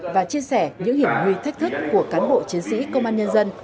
và chia sẻ những hiểm nguy thách thức của cán bộ chiến sĩ công an nhân dân